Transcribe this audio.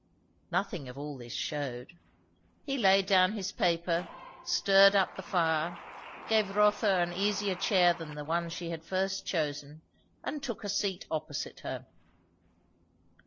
Nothing of all this shewed. He laid down his paper, stirred up the fire, gave Rotha an easier chair than the one she had first chosen, and took a seat opposite her.